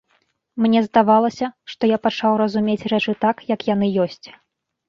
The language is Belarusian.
Мне здавалася, што я пачаў разумець рэчы так, як яны ёсць.